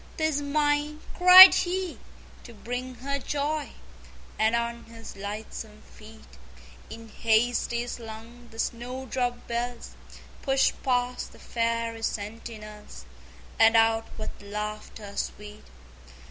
"'Tis mine," cried he, "to bring her joy!" And on his lightsome feet In haste he slung the snowdrop bells, Pushed past the Fairy sentinels, And out with laughter sweet.